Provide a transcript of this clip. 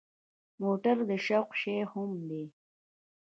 موټر د شوق شی هم دی.